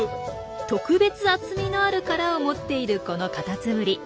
特別厚みのある殻を持っているこのカタツムリ。